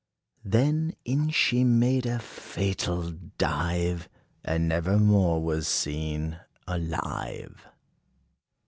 Then, in she made a fatal dive, And never more was seen alive!